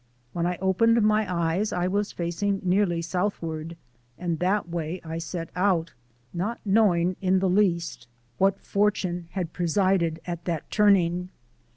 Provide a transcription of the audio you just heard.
When I opened my eyes I was facing nearly southward: and that way I set out, not knowing in the least what Fortune had presided at that turning.